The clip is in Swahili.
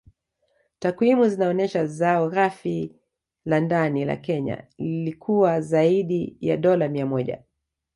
Takwimu zinaonesha zao Ghafi la Ndani la Kenya lilikuwa zaidi ya dola mia moja